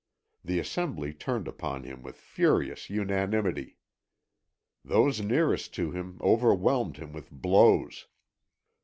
The assembly turned upon him with furious unanimity. Those nearest to him overwhelmed him with blows.